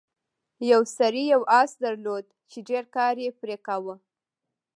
یو سړي یو اس درلود چې ډیر کار یې پرې کاوه.